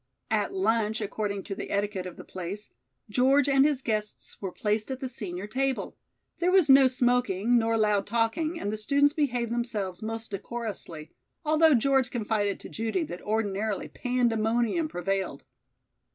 At lunch, according to the etiquette of the place, George and his guests were placed at the senior table. There was no smoking nor loud talking and the students behaved themselves most decorously, although George confided to Judy that ordinarily pandemonium prevailed.